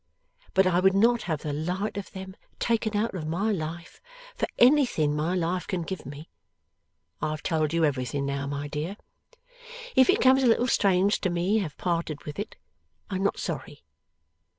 But I would not have the light of them taken out of my life, for anything my life can give me. I have told you everything now, my dear. If it comes a little strange to me to have parted with it, I am not sorry.